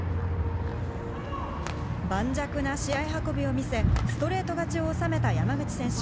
盤石な試合運びを見せ、ストレート勝ちを収めた山口選手。